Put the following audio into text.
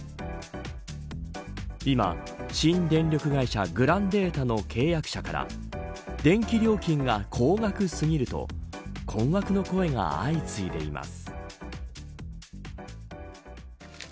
今、新電力会社グランデータの契約者から電気料金が高額過ぎると困惑の声が相次いでいます。